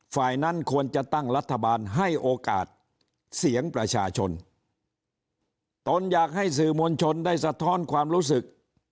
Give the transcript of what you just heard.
ฝ่ายนั้นควรจะตั้งรัฐบาลให้โอกาสเสียงประชาชนตนอยากให้สื่อมวลชนได้สะท้อนความรู้สึก